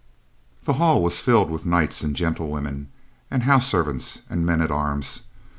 The hall was filled with knights and gentlewomen and house servants and men at arms.